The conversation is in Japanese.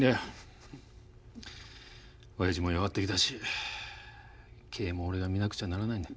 オヤジも弱ってきたし経営も俺が見なくちゃならないんだ。